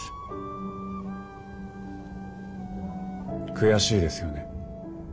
悔しいですよね。